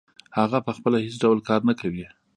هغه پخپله هېڅ ډول کار نه کوي